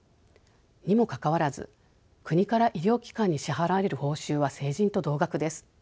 にもかかわらず国から医療機関に支払われる報酬は成人と同額です。